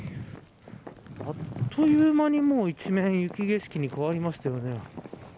あっという間に、一面雪景色に変わりましたよね。